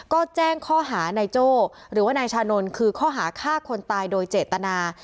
ก็แจ้งข้อหานายโจ้หรือว่านายชานนท์คือข้อหาฆ่าคนตายโดยเจตนา